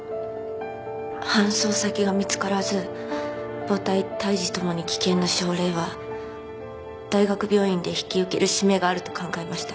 搬送先が見つからず母体胎児ともに危険な症例は大学病院で引き受ける使命があると考えました。